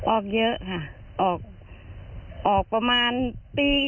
ออกเยอะออกประมาณปี